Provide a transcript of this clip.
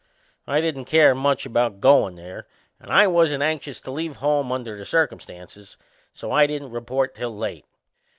I didn't care much about goin' there and I wasn't anxious to leave home under the circumstances, so I didn't report till late.